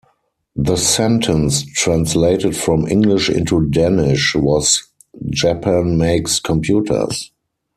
The sentence, translated from English into Danish, was "Japan makes computers".